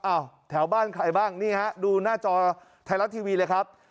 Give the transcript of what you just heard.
แถวบ้านใครบ้างนี่ฮะดูหน้าจอไทยรัฐทีวีเลยครับ